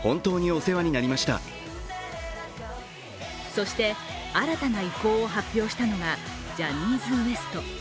そして、新たな意向を発表したのがジャニーズＷＥＳＴ。